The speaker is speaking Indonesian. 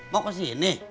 mau ke sini